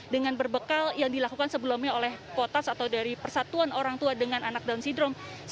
dengan berbekal yang dilakukan sebelumnya oleh potas atau dari persatuan orang tua dengan anak down syndrome